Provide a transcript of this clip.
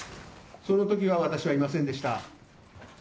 そのときは私はいませんでした。